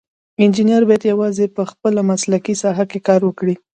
انجینر باید یوازې په خپله مسلکي ساحه کې کار وکړي.